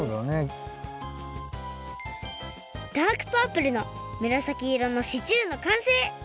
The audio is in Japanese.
ダークパープルのむらさきいろのシチューのかんせい！